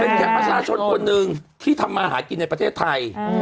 เป็นแค่ประชาชนคนหนึ่งที่ทำมาหากินในประเทศไทย